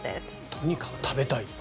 とにかく食べたい。